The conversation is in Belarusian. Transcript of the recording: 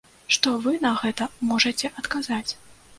Што вы на гэта можаце адказаць?